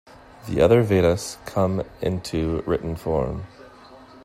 The other Vedas come into written form.